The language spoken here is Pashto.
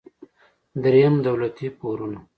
دریم: دولتي پورونه.